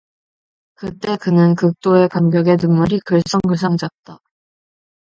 그때 그는 극도의 감격에 눈물이 글썽글썽해졌다.